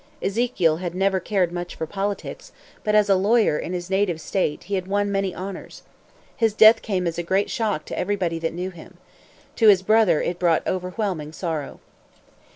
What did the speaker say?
Ezekiel had never cared much for politics, but as a lawyer in his native state, he had won many honors. His death came as a great shock to everybody that knew him. To his brother it brought overwhelming sorrow.